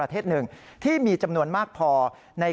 ตอนต่อไป